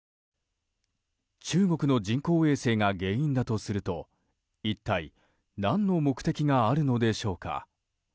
中国の人工衛星が原因だとすると一体、何の目的があるのでしょうか。